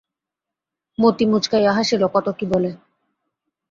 মতি মুচকাইয়া হাসিল, কত কী বলে।